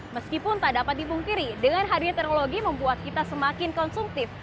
meskipun tak dapat dipungkiri dengan hadirnya teknologi membuat kita semakin konsumtif